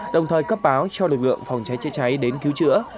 đồng thời cấp báo cho lực lượng phòng cháy chữa cháy đến cứu chữa